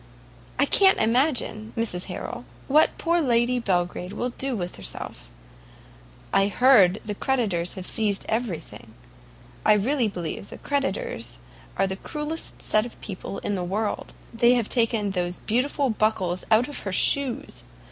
I can't imagine, Mrs Harrel, what poor Lady Belgrade will do with herself; I hear the creditors have seized every thing; I really believe creditors are the cruelest set of people in the world! they have taken those beautiful buckles out of her shoes!